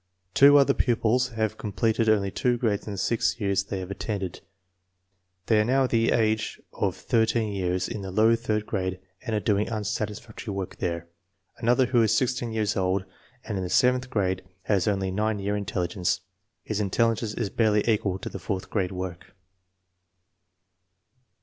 Two other pupils have com pleted only two grades in the six years they have attended. They are now at the age of almost 18 years in the low third grade and are doing unsatisfactory work there. Another who is 16 years old and in the seventh grade has only nine year intelligence. His intelligence is barely equal to fourth grade work.